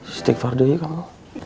istighfar dulu kamu